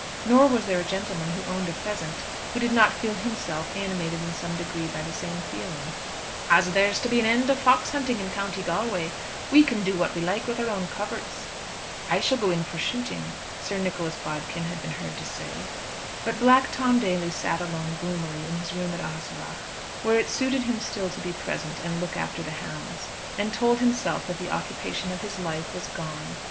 Nor was there a gentleman who owned a pheasant who did not feel himself animated in some degree by the same feeling. "As there's to be an end of fox hunting in County Galway, we can do what we like with our own coverts." "I shall go in for shooting," Sir Nicholas Bodkin had been heard to say. But Black Tom Daly sat alone gloomily in his room at Ahaseragh, where it suited him still to be present and look after the hounds, and told himself that the occupation of his life was gone.